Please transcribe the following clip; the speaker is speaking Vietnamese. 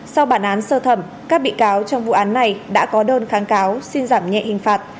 sau bản án sơ thẩm các bị cáo trong vụ án này đã có đơn kháng cáo xin giảm nhẹ hình phạt